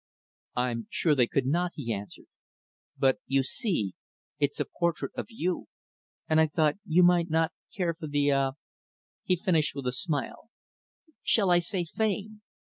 "I'm sure they could not," he answered. "But, you see, it's a portrait of you; and I thought you might not care for the ah " he finished with a smile "shall I say fame?"